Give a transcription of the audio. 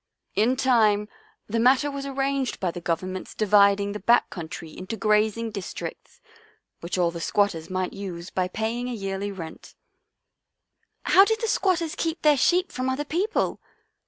In time the matter was arranged by the Govern ment's dividing the back country into grazing districts, which all the squatters might use by paying a yearly rent." " How did the squatters keep their sheep from other people?"